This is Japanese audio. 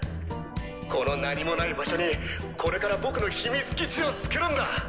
この何もない場所にこれから僕の秘密基地を作るんだ！